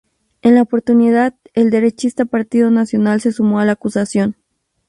En la oportunidad, el derechista Partido Nacional se sumó a la acusación.